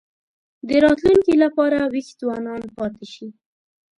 د راتلونکي لپاره وېښ ځوانان پاتې شي.